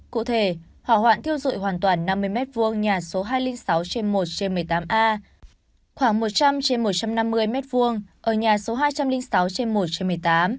cụ thể hỏa hoạn thiêu dụi hoàn toàn năm mươi m hai nhà số hai trăm linh sáu trên một trên một mươi tám a khoảng một trăm linh một trăm năm mươi m hai ở nhà số hai trăm linh sáu trên một trên một mươi tám